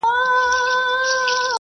هغوی به خپلو کارونو ته ژمن پاته سي.